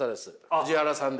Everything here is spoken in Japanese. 藤原さん？